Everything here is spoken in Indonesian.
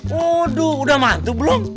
waduh udah mantu belum